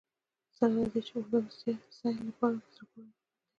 سره له دې چې اردن د سیل لپاره په زړه پورې هېواد دی.